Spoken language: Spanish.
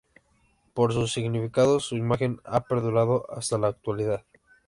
Por sus significados, su imagen ha perdurado hasta la actualidad.